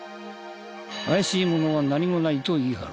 「怪しいものは何もない」と言い張る。